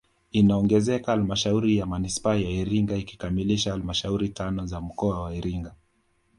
Inaongezeka halmashauri ya manispaa ya Iringa ikikamilisha halmashauri tano za mkoa wa Iringa